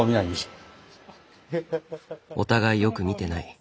お互いよく見てない。